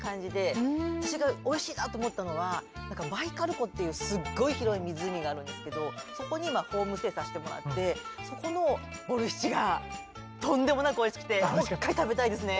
私がおいしいなと思ったのはバイカル湖っていうすっごい広い湖があるんですけどそこにホームステイさせてもらってそこのボルシチがとんでもなくおいしくてもう一回食べたいですね。